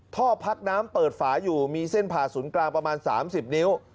ท่อพักน้ำเปิดฝาอยู่มีเส้นผ่าศูนย์กลางประมาณ๓๐นิ้ว